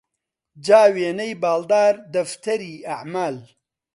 جا وێنەی باڵدار دەفتەری ئەعمال